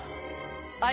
はい。